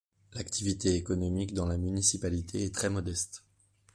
L'activité économique dans la municipalité est très modeste.